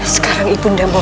sekarang ibu nanda bohong